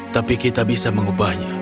tapi kita bisa mengubahnya